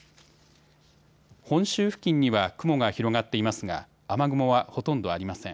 本州付近には雲が広がっていますが雨雲はほとんどありません。